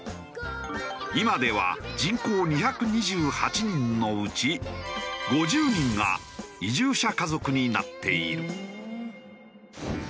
今では人口２２８人のうち５０人が移住者家族になっている。